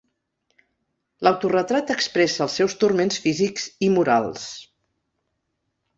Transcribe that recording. L'autoretrat expressa els seus turments físics i morals.